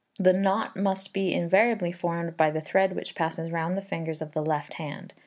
The knot must be invariably formed by the thread which passes round the fingers of the left hand.